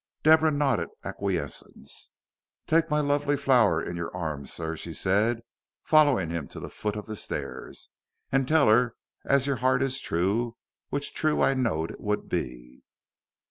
Deborah nodded acquiescence. "Take my lovely flower in your arms, sir," she said, following him to the foot of the stairs, "and tell her as your 'eart is true, which true I knowed it would be."